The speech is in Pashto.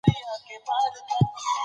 نجلۍ په ځیر سره ماته وکتل.